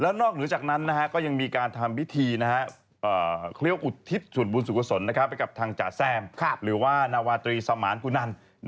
และนอกจากนั้นก็ยังมีการทำวิธีเคลี้ยวอุทิศส่วนบุญสุขสนไปกับทางจาแซมหรือว่านวาตรีสามานภูนัน